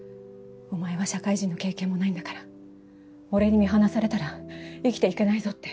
「お前は社会人の経験もないんだから俺に見放されたら生きていけないぞ」